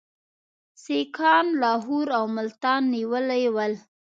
سیکهان لاهور او ملتان نیولي ول.